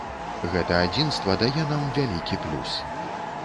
Гэта адзінства дае нам вялікі плюс.